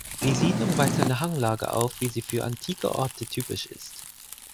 Die Siedlung weist eine Hanglage auf, wie sie für antike Orte typisch ist.